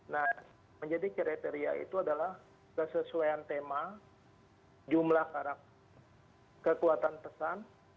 nah menjadi kriteria itu adalah kesesuaian tema jumlah karakter kekuatan pesan